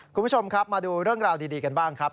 คุณผู้ชมครับมาดูเรื่องราวดีกันบ้างครับ